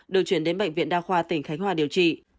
được chuyển đến bệnh viện đa khoa tỉnh khánh hòa điều trị